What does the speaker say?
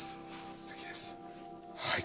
すてきですはい。